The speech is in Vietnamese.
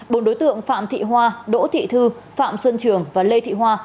bốn đối tượng phạm thị hoa đỗ thị thư phạm xuân trường và lê thị hoa